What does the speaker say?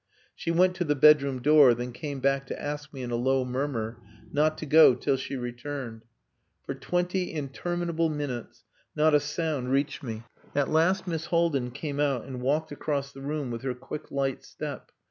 She went to the bedroom door, then came back to ask me in a low murmur not to go till she returned. For twenty interminable minutes not a sound reached me. At last Miss Haldin came out and walked across the room with her quick light step.